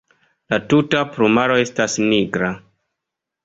La tuta plumaro estas nigra.